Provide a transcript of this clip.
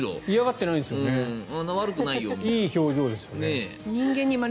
いい表情ですよね。